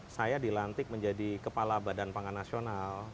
saya dilantik menjadi kepala badan pangan nasional